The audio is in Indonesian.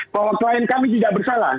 bahwa klien kami tidak bersalah